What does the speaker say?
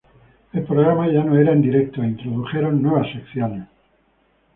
El programa ya no era en directo e introdujeron nuevas secciones.